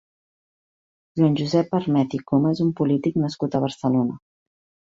Joan Josep Armet i Coma és un polític nascut a Barcelona.